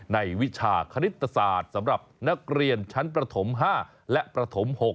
วิชาคณิตศาสตร์สำหรับนักเรียนชั้นประถม๕และประถม๖